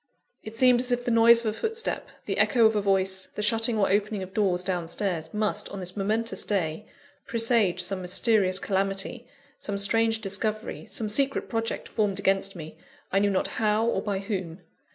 It seemed as if the noise of a footstep, the echo of a voice, the shutting or opening of doors down stairs, must, on this momentous day, presage some mysterious calamity, some strange discovery, some secret project formed against me, I knew not how, or by whom.